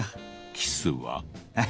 キスは？え？